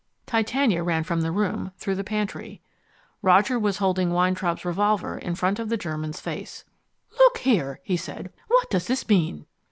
Titania ran from the room, through the pantry. Roger was holding Weintraub's revolver in front of the German's face. "Look here," he said, "what does this mean?"